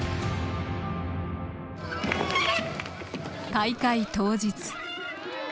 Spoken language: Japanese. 大会当日。